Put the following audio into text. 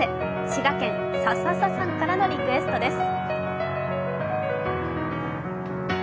滋賀県ささささんからのリクエストです。